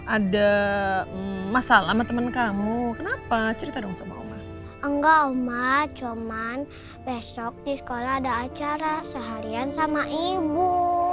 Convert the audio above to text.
ada masalah temen kamu cerita dong enggak cuma besok di sekolah ada acara seharian sama ibu